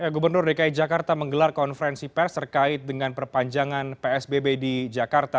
gubernur dki jakarta menggelar konferensi pers terkait dengan perpanjangan psbb di jakarta